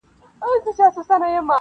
کتاب د سړیتوب دي په معنا ویلی نه دی,